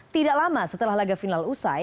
tidak lama setelah laga final usai